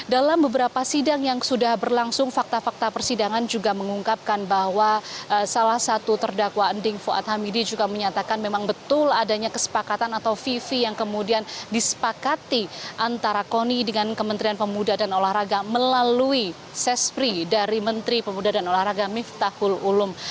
dalam beberapa sidang yang sudah berlangsung fakta fakta persidangan juga mengungkapkan bahwa salah satu terdakwa ending fuad hamidi juga menyatakan memang betul adanya kesepakatan atau vivi yang kemudian disepakati antara koni dengan kementerian pemuda dan olahraga melalui sespri dari menteri pemuda dan olahraga miftahul ulum